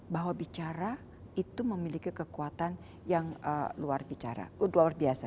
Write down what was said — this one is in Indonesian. bahwa bicara itu memiliki kekuatan yang luar biasa